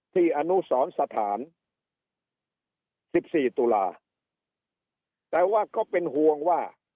ที่อนุสรรค์สถานสิบสี่ตุลาห์แต่ว่าก็เป็นห่วงว่า